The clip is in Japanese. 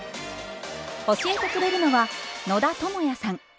教えてくれるのは野田智也さん。